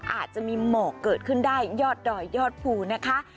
อาจจะมีหมอกเกิดขึ้นได้ยอดดอยยอดภูนะคะ